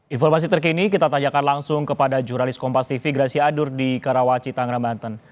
informasi terkini kita tanyakan langsung kepada juralis kompastv gracia adur di karawaci tanggerang banten